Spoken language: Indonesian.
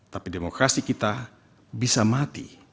tapi demokrasi kita bisa mati